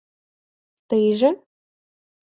Тыйже?